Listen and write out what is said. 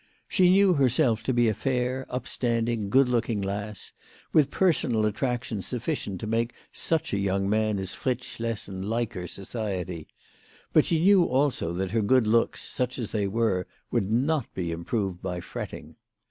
She knew herself to be a fair, upstanding, good looking lass, with personal attractions sufficient to make such a young man as Fritz Schlessen like her society ; but she knew also that her good looks, such as they were, would not be improved by fretting.